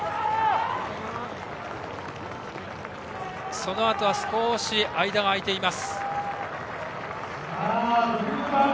そのあと少し間が開いています。